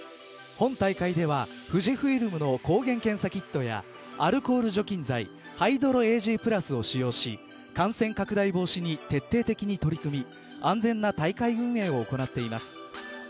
本大会では富士フイルムの抗原検査キットやアルコール除菌剤ＨｙｄｒｏＡｇ＋を使用し感染拡大防止に徹底的に取り組み安全な大会運営を行っています。